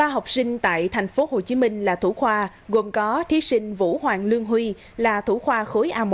ba học sinh tại tp hcm là thủ khoa gồm có thí sinh vũ hoàng lương huy là thủ khoa khối a một